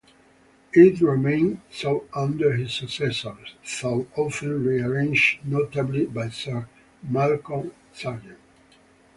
It remained so under his successors, though often rearranged, notably by Sir Malcolm Sargent.